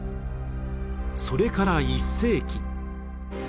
それから１世紀。